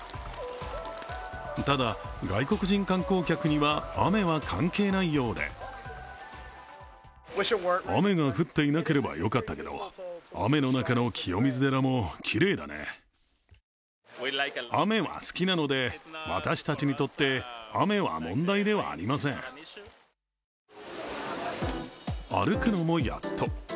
ただ、外国人観光客には雨は関係ないようで歩くのもやっと。